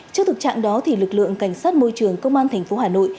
trước thực trạng đó thì lực lượng cảnh sát môi trường công an tp hà nội